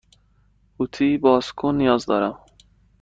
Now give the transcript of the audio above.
قوطی باز کن نیاز دارم.